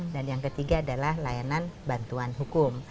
dan yang ketiga adalah layanan bantuan hukum